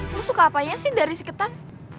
lo suka apanya sih dari si ketan